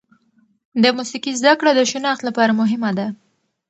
د موسیقي زده کړه د شناخت لپاره مهمه ده.